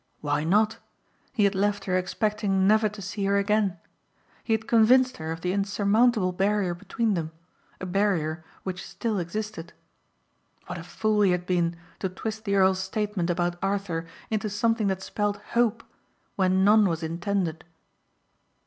Why not? He had left her expecting never to see her again. He had convinced her of the unsurmountable barrier between them, a barrier which still existed. What a fool he had been to twist the earl's statement about Arthur into something that spelled hope when none was intended.